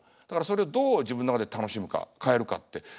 だからそれをどう自分ん中で楽しむか変えるかって。